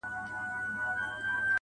د اله زار خبري ډېري ښې دي~